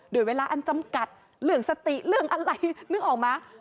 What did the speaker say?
โดยเวลาอันจำกัดเรื่องสติเรื่องอะไรนึกออกไหม